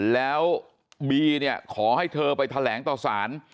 แล้วบีเนี่ยขอให้เธอไปแถลงต่อสาร